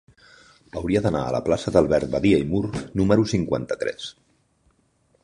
Hauria d'anar a la plaça d'Albert Badia i Mur número cinquanta-tres.